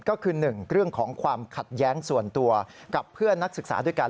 ก็คือ๑เรื่องของความขัดแย้งส่วนตัวกับเพื่อนนักศึกษาด้วยกัน